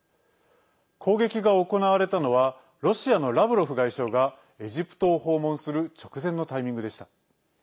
攻撃が行われたのはロシアのラブロフ外相がエジプトを訪問する直前のタイミングでした。